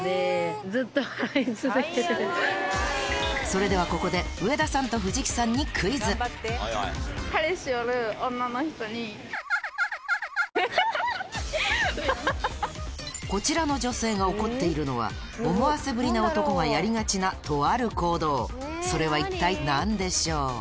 それではここでこちらの女性が怒っているのは思わせぶりな男がやりがちなとある行動それは一体何でしょう？